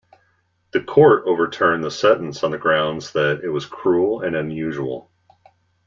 The Court overturned the sentence on the grounds that it was "cruel and unusual".